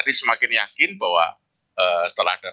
mereka tidak ada kapasitas rugi